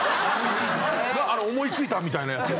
「思い付いた」みたいなやつ。